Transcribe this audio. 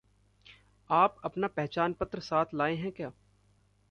आप अपना पहचान-पत्र साथ लाएँ हैं क्या?